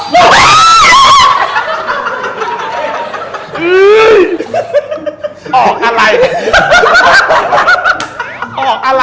ว้าว